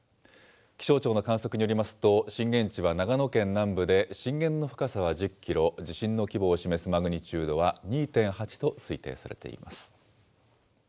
気象庁の観測によりますと、震源地は長野県南部で、震源の深さは１０キロ、地震の規模を示すマグニチュードは２．８と推定されています。